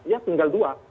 ya tinggal dua